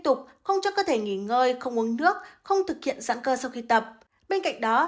tục không cho cơ thể nghỉ ngơi không uống nước không thực hiện giãn cơ sau khi tập bên cạnh đó